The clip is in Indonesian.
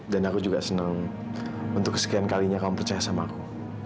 dan aku juga senang untuk kesekian kalinya kamu percaya sama aku